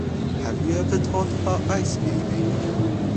Have you ever thought about ice bathing?